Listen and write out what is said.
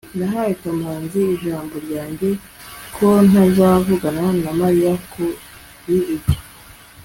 nahaye kamanzi ijambo ryanjye ko ntazavugana na mariya kuri ibyo